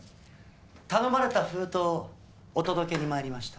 頼まれた封筒をお届けに参りました。